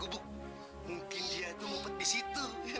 mungkin dia itu mumpet di situ